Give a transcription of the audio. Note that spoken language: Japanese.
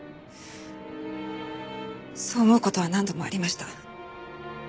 そう思う事は何度もありました。